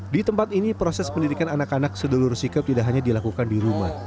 di tempat ini proses pendidikan anak anak sedulur sikap tidak hanya dilakukan di rumah